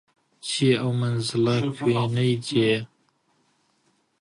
چییە ئەو مەنزڵە کوێنەی جێیە